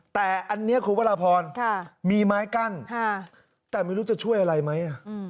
แต่อันนี้คุณพระราพรมีไม้กั้นแต่ไม่รู้จะช่วยอะไรไหม